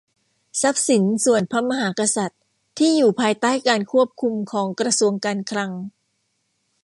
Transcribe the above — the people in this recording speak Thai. ทรัพย์สินส่วนพระมหากษัตริย์ ที่อยู่ภายใต้การควบคุมของกระทรวงการคลัง